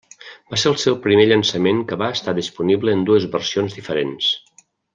Va ser el seu primer llançament que va estar disponible en dues versions diferents.